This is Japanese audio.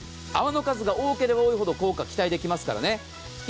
泡の数が多ければ多いほど効果期待できますからね。